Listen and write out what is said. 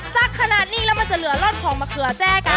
นะแม่ครับสักขนาดนี้แล้วมันจะเหลือรสไปค่ะ